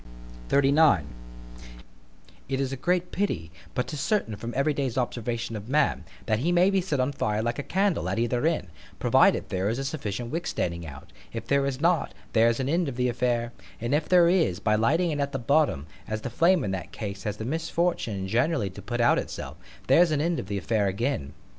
C H A P. XXXIX IT is a great pity——but 'tis certain from every day's observation of man, that he may be set on fire like a candle, at either end—provided there is a sufficient wick standing out; if there is not—there's an end of the affair; and if there is—by lighting it at the bottom, as the flame in that case has the misfortune generally to put out itself—there's an end of the affair again.